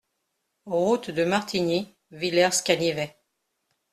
Route de Martigny, Villers-Canivet